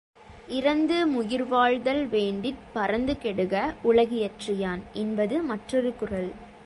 இரந்து முயிர்வாழ்தல் வேண்டிற் பரந்து கெடுக உலகியற்றி யான் என்பது மற்றும் ஒரு குறள்.